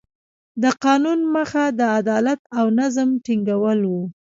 د قانون موخه د عدالت او نظم ټینګول وو.